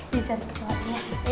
sisi cari kecoanya